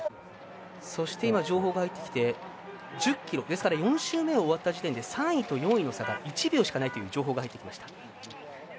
そして、情報が入ってきて１０ｋｍですから４周目が終わった時点で３位と４位の差が１秒しかないという情報が入ってきました。